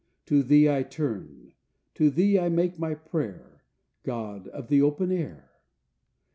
To thee I turn, to thee I make my prayer, God of the open air.